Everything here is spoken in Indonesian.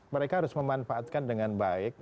mereka harus memanfaatkan dengan baik